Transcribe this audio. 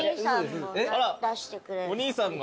お兄さんが。